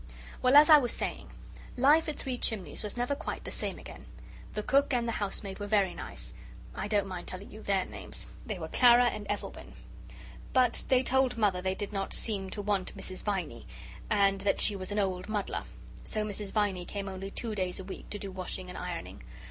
Well, as I was saying, life at Three Chimneys was never quite the same again. The cook and the housemaid were very nice (I don't mind telling you their names they were Clara and Ethelwyn), but they told Mother they did not seem to want Mrs. Viney, and that she was an old muddler. So Mrs. Viney came only two days a week to do washing and ironing.